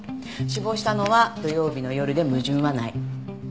死亡したのは土曜日の夜で矛盾はない。